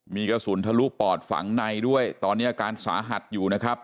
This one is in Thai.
มีกระสุนทะลุปอดฝังในด้วยตอนนี้อาการสาหัสอยู่นะครับ